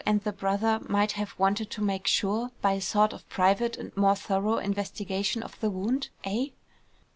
and the brother, might have wanted to make sure, by a sort of private and more thorough investigation of the wound, eh?"